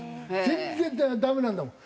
全然ダメなんだもん。